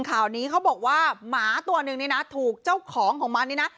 ข่าวนี้เขาบอกว่าหมาตัวนึงนี่นะถูกเจ้าของของมันนี่นะ